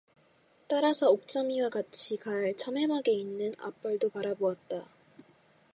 따라서 옥점이와 같이 갈 참외막 있는 앞벌도 바라보았다.